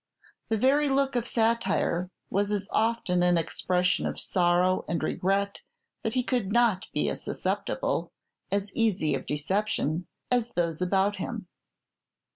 The very look of satire was as often an expression of sorrow and regret that he could not be as susceptible as easy of deception as those about him.